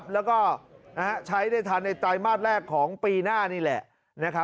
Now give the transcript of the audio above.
แล้วก็ใช้ได้ทันในไตรมาสแรกของปีหน้านี่แหละ